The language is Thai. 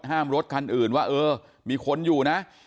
รถคันอื่นว่าเออมีคนอยู่นะ